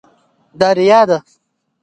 دا ریا ده.